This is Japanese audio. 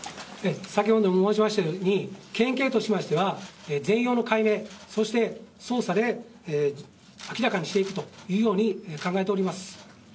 先ほど申し上げたとおり県警としては全容の解明そして捜査で、明らかにしていくというように考えております。